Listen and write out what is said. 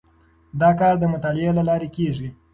دا کار د مطالعې له لارې کیږي.